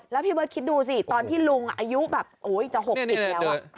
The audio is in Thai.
แล้วพี่เบิสคิดดูสิตอนที่ลุงอายุแบบโอ้นจะ๖อีกแล้ว